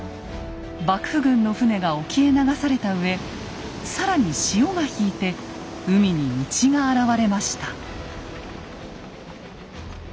幕府軍の船が沖へ流されたうえ更に潮が引いて海に道が現れました。